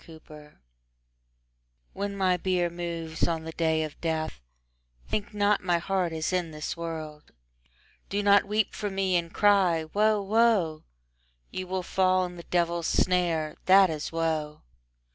VIII When my bier moves on the day of death, Think not my heart is in this world. Do not weep for me and cry "Woe, woe!" You will fall in the devil's snare: that is woe.